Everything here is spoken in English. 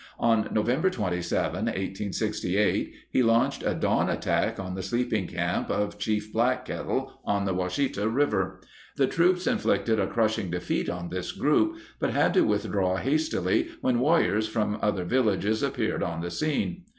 On November 27, 1868, he launched a dawn attack on the sleeping camp of Chief Black Kettle on the Washita River. The troops inflicted a crushing defeat on this group but had to withdraw hastily when warriors from other villages appeared on the scene.